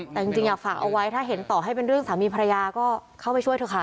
แต่จริงอยากฝากเอาไว้ถ้าเห็นต่อให้เป็นเรื่องสามีภรรยาก็เข้าไปช่วยเถอะค่ะ